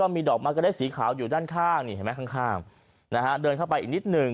มีดอกมากรสีขาวอยู่ด้านข้างเดินเข้าไปอีกนิดนึง